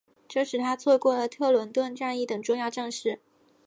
这使他错过了特伦顿战役等重要战事。